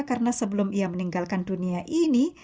karena sebelum ia meninggalkan dunia ini